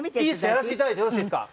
やらせていただいてよろしいですか？